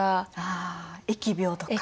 あ疫病とか。